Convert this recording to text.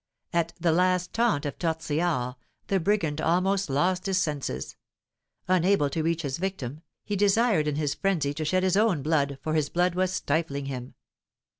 At the last taunt of Tortillard the brigand almost lost his senses; unable to reach his victim, he desired in his frenzy to shed his own blood, for his blood was stifling him.